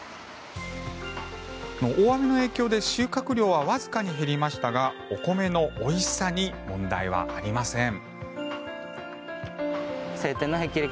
大雨の影響で収穫量はわずかに減りましたがお米のおいしさに問題はありません。